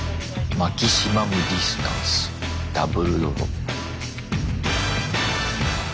「マキシマムディスタンス・ダブルドロップ」。